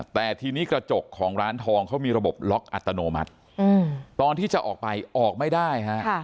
แต่ทีนี้กระจกของร้านทองเขามีระบบล็อกอัตโนมัติตอนที่จะออกไปออกไม่ได้ฮะ